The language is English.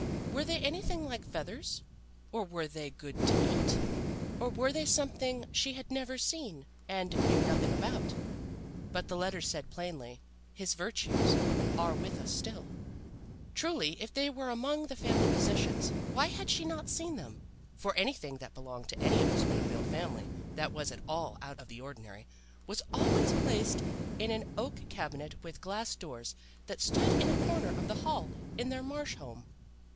Were they anything like feathers, or were they good to eat, or were they something she had never seen and knew nothing about? But the letters said plainly, 'his virtues are with us still.' Truly, if they were among the family possessions, why had she not seen them? For anything that belonged to any of the Spoon bill family that was at all out of the ordinary was always placed in an oak cabinet with glass doors that stood in a corner of the hall in their marsh home.